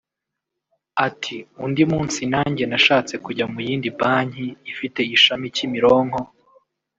Ati “Undi munsi nanjye nashatse kujya mu yindi banki ifite ishami Kimironko